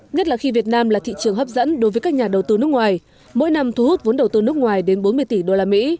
nhất là khi việt nam là thị trường hấp dẫn đối với các nhà đầu tư nước ngoài mỗi năm thu hút vốn đầu tư nước ngoài đến bốn mươi tỷ usd